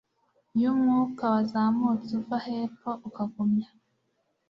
y'umwuka wazamutse uva hepfo ukagumya